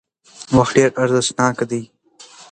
وخت ډېر ارزښتناک دی